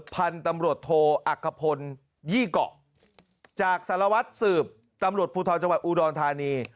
พันธุ์ตำรวจโทอักขพลยี่เกาะจากสารวัตรสืบตำรวจภูทรจังหวัดอุดรธานี